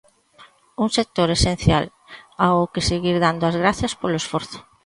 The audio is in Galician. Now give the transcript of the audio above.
Un sector esencial ao que seguir dando as grazas polo esforzo.